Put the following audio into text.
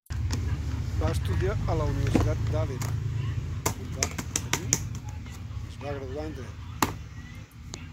Va estudiar a la Universitat d'Alep, on va obtenir es va graduar en dret.